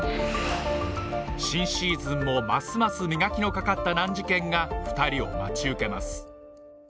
新シーズンもますます磨きのかかった難事件が２人を待ち受けます